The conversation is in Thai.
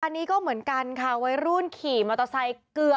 อันนี้ก็เหมือนกันค่ะวัยรุ่นขี่มอเตอร์ไซค์เกือบ